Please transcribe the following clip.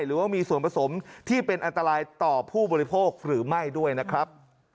หรือว่ามีส่วนผสมที่เป็นอันตรายต่อผู้บริโภคหรือไม่ด้วยนะครับ